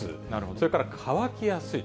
それから乾きやすい。